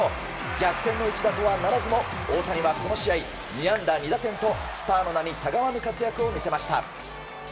逆転の一打とはならずも大谷は、この試合２安打２打点とスターの名にたがわぬ活躍を見せました。